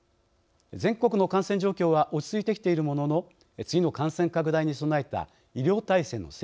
全国の感染状況は落ち着いてきているものの次の感染拡大に備えた医療体制の整備